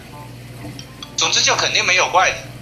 因纽维克专区是加拿大西北地区五个行政专区之一。